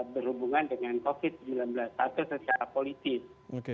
berhubungan dengan covid sembilan belas atau secara politis